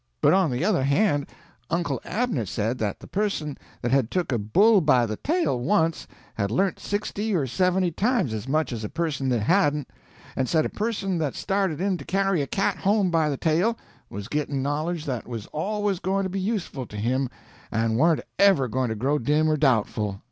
But, on the other hand, Uncle Abner said that the person that had took a bull by the tail once had learnt sixty or seventy times as much as a person that hadn't, and said a person that started in to carry a cat home by the tail was gitting knowledge that was always going to be useful to him, and warn't ever going to grow dim or doubtful.